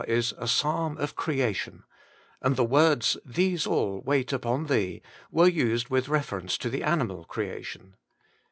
is a Psalm of Creation, and the words, ^These all wait upon Thee, were used with reference to the animal creation.